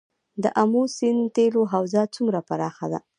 د امو سیند تیلو حوزه څومره پراخه ده؟